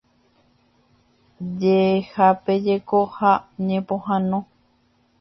Jehapejoko ha ñepohãno.